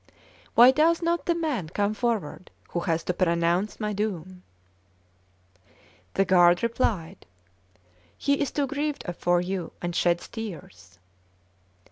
Why does not the man come forward who has to pronounce my doom?" The guard replied: "He is too grieved for you, and sheds tears."